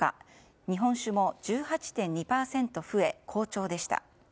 日本酒も１８．２％増え好調でした。